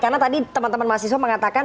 karena tadi teman teman mahasiswa mengatakan